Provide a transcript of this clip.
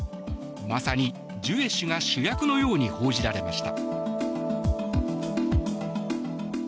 まさにジュエ氏が主役のように報じられました。